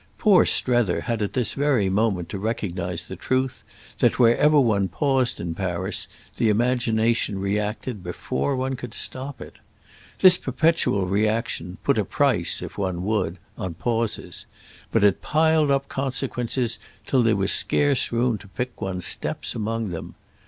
Poor Strether had at this very moment to recognise the truth that wherever one paused in Paris the imagination reacted before one could stop it. This perpetual reaction put a price, if one would, on pauses; but it piled up consequences till there was scarce room to pick one's steps among them.